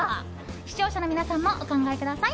視聴者の皆さんもお考えください。